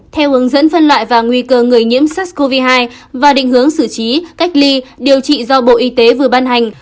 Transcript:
theo hướng dẫn phân loại và nguy cơ người nhiễm sars cov hai và định hướng xử trí cách ly điều trị do bộ y tế vừa ban hành